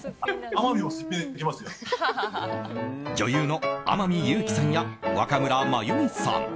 女優の天海祐希さんや若村麻由美さん